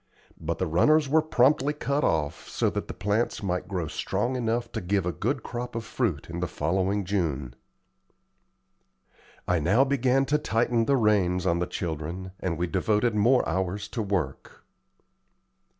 But the runners were promptly cut off, so that the plants might grow strong enough to give a good crop of fruit in the following June. I now began to tighten the reins on the children, and we all devoted more hours to work.